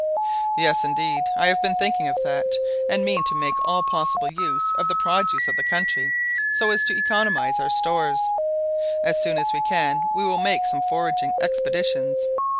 "Yes, indeed; I have been thinking of that, and mean to make all possible use of the produce of the country so as to economise our stores. As soon as we can, we will make some foraging expeditions.